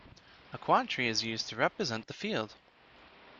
A quadtree is used to represent the field.